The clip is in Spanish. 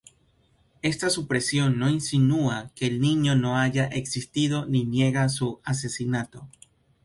Esta supresión no insinúa que el niño no haya existido ni niega su asesinato.